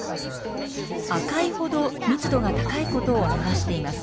赤い程密度が高いことを表しています。